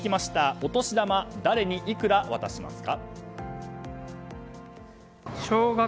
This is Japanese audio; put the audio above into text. お年玉、誰にいくら渡しますか？